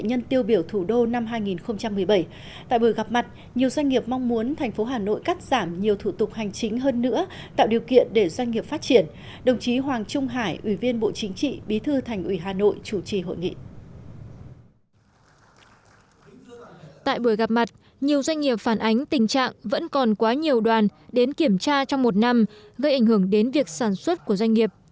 tại buổi gặp mặt nhiều doanh nghiệp phản ánh tình trạng vẫn còn quá nhiều đoàn đến kiểm tra trong một năm gây ảnh hưởng đến việc sản xuất của doanh nghiệp